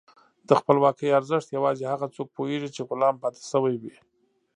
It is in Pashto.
د خپلواکۍ ارزښت یوازې هغه څوک پوهېږي چې غلام پاتې شوي وي.